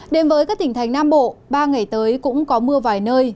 đến với các tỉnh thành nam bộ ba ngày tới cũng có mưa vài nơi